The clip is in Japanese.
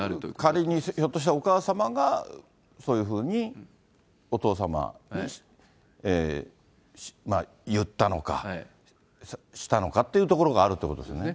仮に、ひょっとしたらお母様がそういうふうに、お父様、言ったのか、したのかっていうところがあるということですね。